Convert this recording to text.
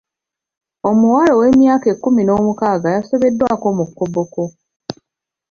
Omuwala ow'emyaka ekkumi n'omukaaga yasobezeddwako mu Koboko.